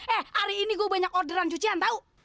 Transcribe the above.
eh hari ini gue banyak orderan cucian tahu